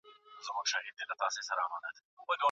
ماداګاسکار د ساتنې لومړیتوب دی.